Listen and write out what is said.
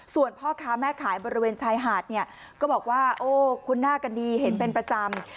ส่วนพ่อค้าแม่ขายบริเวณชายหาดเนี่ยก็บอกว่าโอ้คุ้นหน้ากันดีเห็นเป็นประจำ